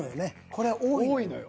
これ多いのよ。